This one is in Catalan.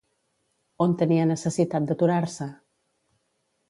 On tenia necessitat d'aturar-se?